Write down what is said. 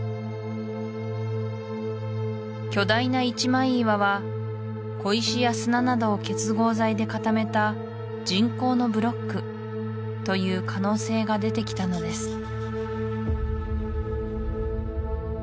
巨大な一枚岩は小石や砂などを結合材で固めた人工のブロックという可能性が出てきたのです